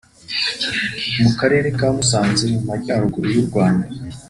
Akarere ka Musanze mu Majyaruguru y’u Rwanda